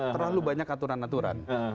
terlalu banyak aturan aturan